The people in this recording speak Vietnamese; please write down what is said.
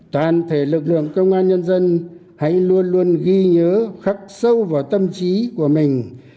toàn thể lực lượng công an nhân dân hãy luôn luôn ghi nhớ khắc sâu vào tâm trí của mình